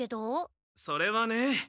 それはね。